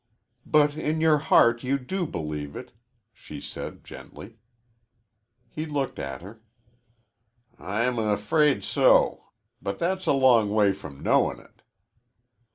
"But in your heart you do believe it," she said gently. He looked at her. "I'm afraid so. But that's a long way from knowing it."